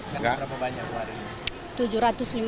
berapa banyak barang